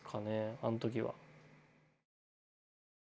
あん時は。